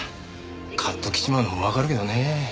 カッときちまうのもわかるけどね。